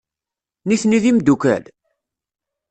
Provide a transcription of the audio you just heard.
Nitni d imeddukal?